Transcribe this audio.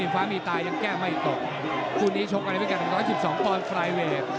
ฟ้ามีตายังแก้ไม่ตกคู่นี้ชกกันในพิกัด๑๑๒ปอนด์ไฟเวท